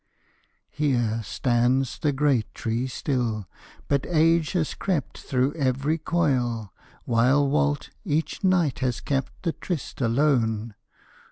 _ Here stands the great tree still. But age has crept Through every coil, while Walt each night has kept The tryst alone.